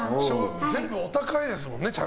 全部お高いですもんね。